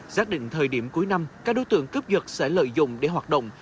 giác định thời điểm cuối năm các đối tượng cướp giật sẽ lợi dụng để hoạt động